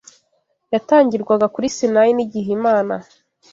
yatangirwaga kuri Sinayi n’igihe Imana